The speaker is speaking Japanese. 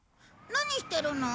何してるの？